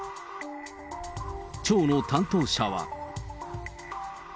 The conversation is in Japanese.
町の担当者は。